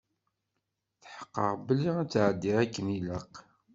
Tḥeqqeɣ belli ad tεeddi akken ilaq.